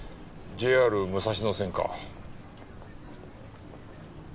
ＪＲ武蔵野線か。